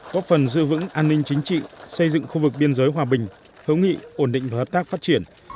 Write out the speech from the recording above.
góp phần giữ vững an ninh chính trị xây dựng khu vực biên giới hòa bình hữu nghị ổn định và hợp tác phát triển